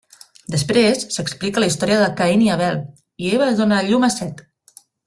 Després, s'explica la història de Caín i Abel, i Eva dóna a llum a Set.